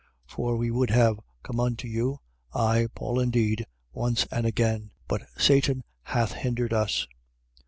2:18. For we would have come unto you, I Paul indeed, once and again: but Satan hath hindered us.